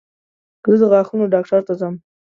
زه د غاښونو ډاکټر ته ځم.